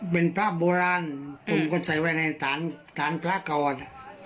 เป็นพระโบราณผมก็ใส่ไว้ในฐานพระก่อน